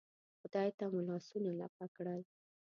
خدای ته مو لاسونه لپه کړل.